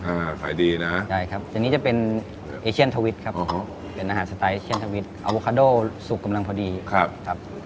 อ่าขายดีนะใช่ครับอันนี้จะเป็นเอเชียนทวิตครับอ๋อเป็นอาหารสไตล์เชียนทวิตอโวคาโดสุกกำลังพอดีครับครับ